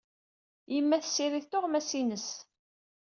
Yemma tessirid tuɣmas-innes.